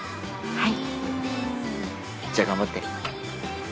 はい。